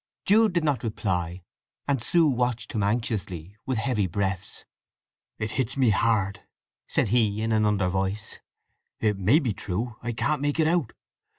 Jude did not reply, and Sue watched him anxiously, with heavy breaths. "It hits me hard!" said he in an under voice. "It may be true! I can't make it out.